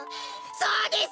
そうです！